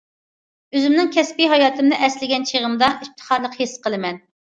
ئۆزۈمنىڭ كەسپىي ھاياتىمنى ئەسلىگەن چېغىمدا ئىپتىخارلىق ھېس قىلىمەن.